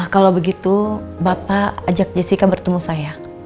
kalau begitu bapak ajak jessica bertemu saya